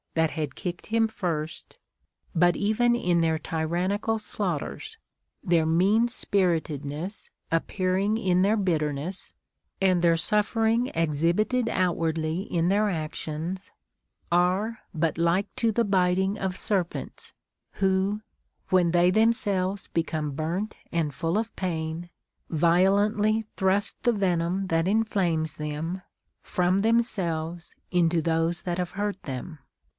43 that had kicked him first) ; but even in their tyrannical slaughters, their mean spiritedness appearing in their bitterness, and their suffering exhibited outwardly in their actions, are but like to the biting of serpents λυΙιο, when they themselves become burnt and full of pain, violently thrust the venom that inflames them from themselves into those that have hurt them.